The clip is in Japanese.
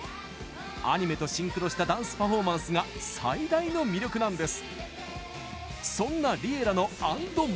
アニメとシンクロしたダンスパフォーマンスが最大の魅力なんです。